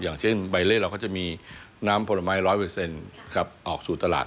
อย่างเช่นใบเล่เราก็จะมีน้ำผลไม้๑๐๐ออกสู่ตลาด